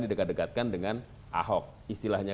didekat dekatkan dengan ahok istilahnya